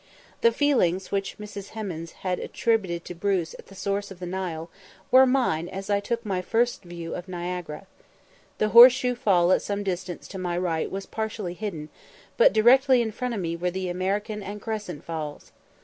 The feelings which Mrs. Hemans had attributed to Bruce at the source of the Nile, were mine as I took my first view of Niagara. The Horse shoe Fall at some distance to my right was partially hidden, but directly in front of me were the American and Crescent Falls.